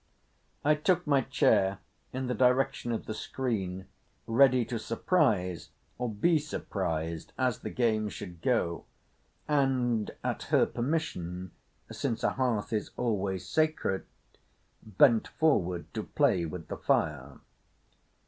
I took my chair in the direction of the screen ready to surprise or be surprised as the game should go, and at her permission, since a hearth is always sacred, bent forward to play with the fire.